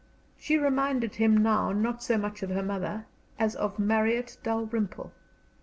She reminded him now not so much of her mother as of Marriott Dalrymple.